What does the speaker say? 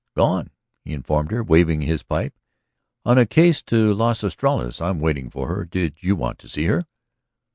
"Gone," he informed her, waving his pipe. "On a case to Las Estrellas. I'm waiting for her. Did you want to see her?"